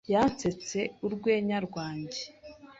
Yansetse urwenya rwanjye.